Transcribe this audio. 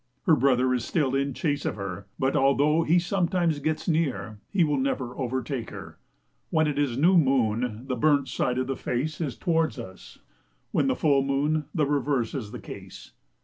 Her brother is still in chase of her, but although he sometimes gets near, he will never overtake her. When it is new moon, the burnt side of the face is towards us; when full moon, the reverse is the case.